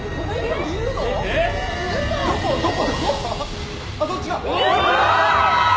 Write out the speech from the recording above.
どこ？